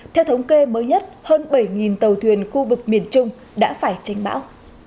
theo thống kê mới nhất hơn bảy tàu thuyền khu vực miền trung đã phải tranh bão